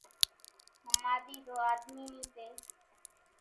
ۿماۮِي زو آۮمي نِي سي